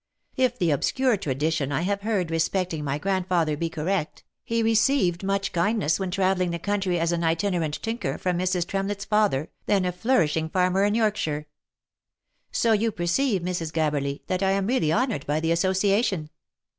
If the obscure tradition I have heard respecting my grandfather be correct, he received much kindness when travelling the country as an itinerant tinker from Mrs. Tremlett's father, then a flourishing farmer in Yorkshire. So you perceive, Mrs. Gab berly, that I am really honoured by the association.